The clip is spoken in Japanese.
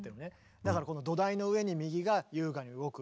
だからこの土台の上に右が優雅に動く。